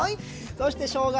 そしてしょうが。